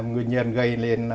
nguyên nhân gây lên